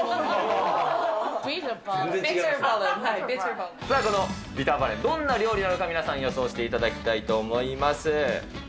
では、このビターバレン、どんな料理なのか、皆さん予想していただきたいと思います。